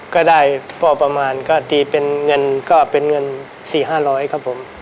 ก็ได้พอประมาณก็อาทิตย์เป็นเงินก็เป็นเงินสี่ห้าร้อยครับผม